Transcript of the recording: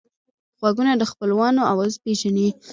غوږونه د خپلوانو آواز پېژني